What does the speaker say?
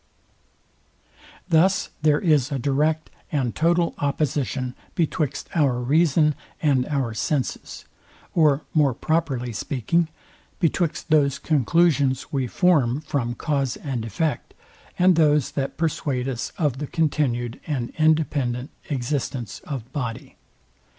Thus there is a direct and total opposition betwixt our reason and our senses; or more properly speaking, betwixt those conclusions we form from cause and effect, and those that persuade us of the continued and independent existence of body.